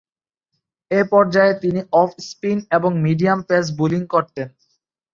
এ পর্যায়ে তিনি off spin ও মিডিয়াম পেস বোলিং করতেন।